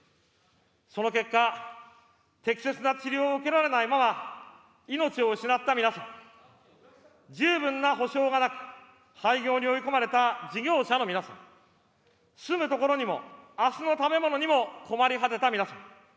その結果、適切な治療を受けられないまま、命を失った皆さん、十分な補償がなく、廃業に追い込まれた事業者の皆さん、住むところにもあすの食べ物にも困り果てた皆さん。